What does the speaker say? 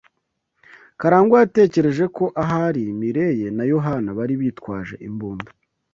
Karangwa yatekereje ko ahari Mirelle na Yohana bari bitwaje imbunda.